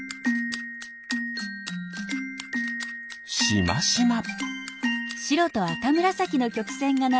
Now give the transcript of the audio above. しましま。